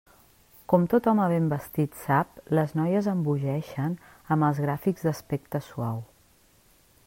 Com tot home ben vestit sap, les noies embogeixen amb els gràfics d'aspecte suau.